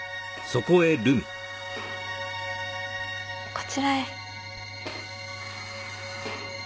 こちらへ。